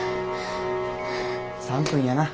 ３分やな。